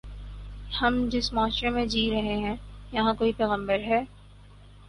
ہم جس معاشرے میں جی رہے ہیں، یہاں کوئی پیغمبر ہے۔